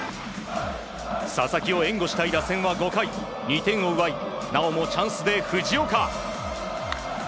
佐々木を援護したい打線は５回２点を奪いなおもチャンスで藤岡。